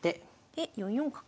で４四角。